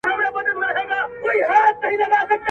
ميرمني ته داسی روحيه ورکول، چي ازاد مجلس وکړي.